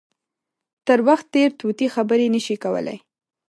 تر وخت تېر طوطي خبرې نه شي کولای.